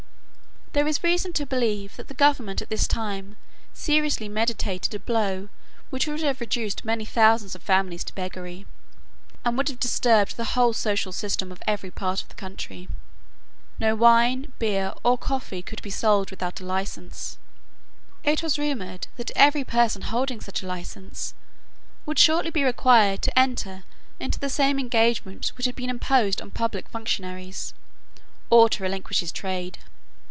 There is reason to believe that the government at this time seriously meditated a blow which would have reduced many thousands of families to beggary, and would have disturbed the whole social system of every part of the country. No wine, beer, or coffee could be sold without a license. It was rumoured that every person holding such a license would shortly be required to enter into the same engagements which had been imposed on public functionaries, or to relinquish his trade.